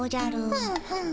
うんうん。